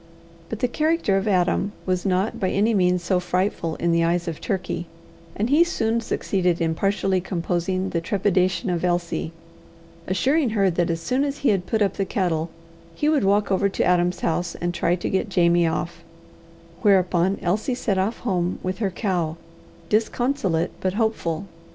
But the character of Adam was not by any means so frightful in the eyes of Turkey; and he soon succeeded in partially composing the trepidation of Elsie, assuring her that as soon as he had put up the cattle, he would walk over to Adam's house and try to get Jamie off, whereupon Elsie set off home with her cow, disconsolate but hopeful.